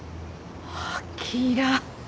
あきら。